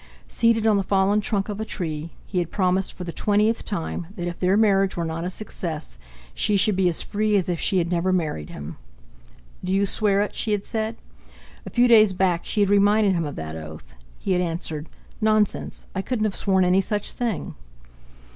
Seated on the fallen trunk of a tree, he had promised for the twentieth time that if their marriage were not a success, she should be as free as if she had never married him! "Do you swear it?" she had said. A few days back she had reminded him of that oath. He had answered: "Nonsense! I couldn't have sworn any such thing!"